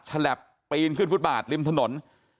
ฉลับปีนขึ้นฟุตบาทริมถนน